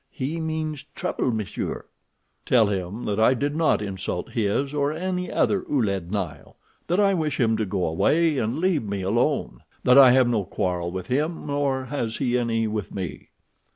He means trouble, m'sieur." "Tell him that I did not insult his or any other Ouled Nail, that I wish him to go away and leave me alone. That I have no quarrel with him, nor has he any with me."